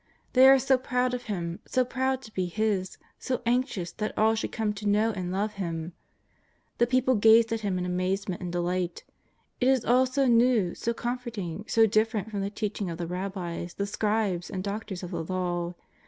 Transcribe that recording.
They are so proud of Him, so proud to be His, so anxious that all should come to know and love Him. The people gaze at Him in amazement and de light. ^ It is all so new, so comforting, so different from the teaching of the rabbis, the scribes and doctors of the Law.